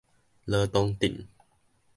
羅東鎮